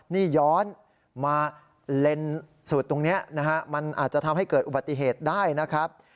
นี่ย้อนมาเลนส์สุดตรงนี้นะฮะมันอาจจะทำให้เกิดอุบัติเหตุได้นะครับ